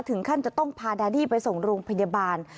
ถึงขั้นจะต้องพาแดดี้ไปส่งโรงพยาบาล